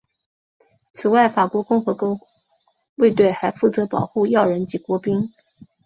此外法国共和国卫队还负责保护要人及国宾。